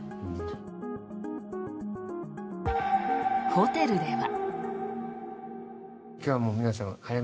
ホテルでは。